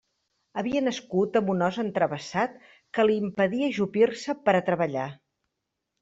Havia nascut amb un os entravessat que li impedia ajupir-se per a treballar.